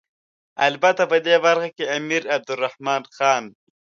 البته په دې برخه کې امیر عبدالرحمن خان.